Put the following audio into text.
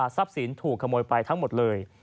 สินถูกขโมยไปทั้งหมดเลย